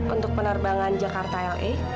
untuk penerbangan jakarta la